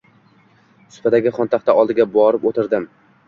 Supadagi xontaxta oldiga borib o‘tirdim.